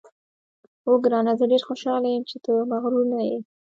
اوه ګرانه، زه ډېره خوشاله یم چې ته مغرور نه یې.